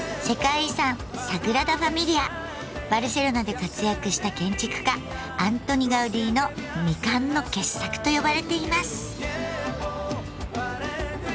バルセロナで活躍した建築家アントニ・ガウディの「未完の傑作」と呼ばれています。